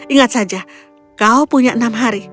ingat saja kau punya enam hari